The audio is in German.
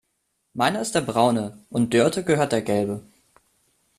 Meiner ist der braune und Dörte gehört der gelbe.